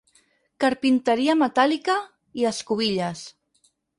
"Carpinteria metàl·lica" i "escobilles".